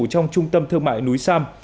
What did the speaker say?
trong trung tâm thương mại núi sam